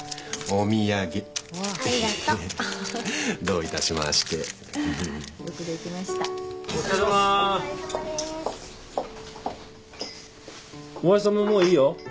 大橋さんももういいよ。